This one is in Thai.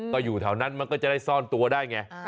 ก็อยู่แถวนั้นมันก็จะได้ซ่อนตัวได้ไง